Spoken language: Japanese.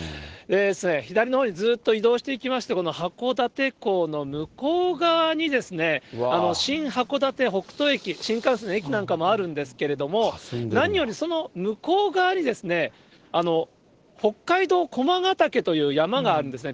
左のほうにずっと移動していきまして、この函館港の向こう側にですね、新函館ほくと駅、新幹線の駅なんかもあるんですけれども、何よりその向こう側に、北海道駒ヶ岳という山があるんですね。